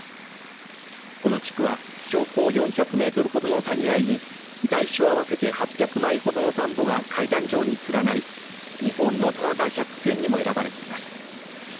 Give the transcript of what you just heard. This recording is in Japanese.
この地区は標高４００メートル程の谷あいに大小合わせて８００枚ほどの田んぼが階段状に連なり日本の棚田百選にも選ばれています。